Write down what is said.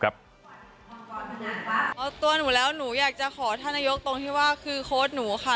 ตัวหนูแล้วหนูอยากจะขอท่านนายกตรงที่ว่าคือโค้ดหนูค่ะ